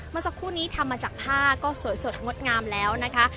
เมื่อสักครู่นี้ทำมาจากผ้าก็สวยสดงดงามแล้วนะคะ